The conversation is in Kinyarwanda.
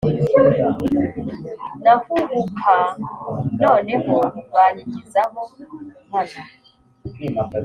Nahuhuka noneho banyigizaho nkana